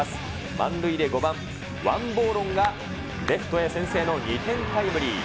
満塁で５番ワンボーロンがレフトへ先制の２点タイムリー。